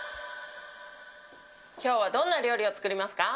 今日はどんな料理を作りますか。